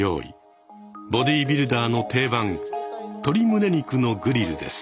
ボディビルダーの定番「鶏胸肉のグリル」です。